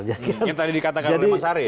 yang tadi dikatakan oleh mas ari ya